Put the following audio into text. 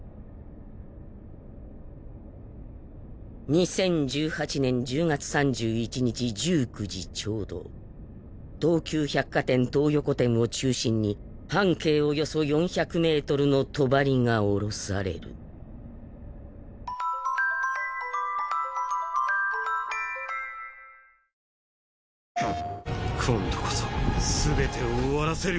２０１８年１０月３１日１９時ちょうど東急百貨店東横店を中心に半径およそ４００メートルの帳が下ろされるおはよう。